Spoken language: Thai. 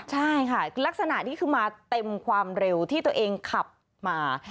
ใช่ค่ะลักษณะนี้คือมาเต็มความเร็วที่ตัวเองขับมา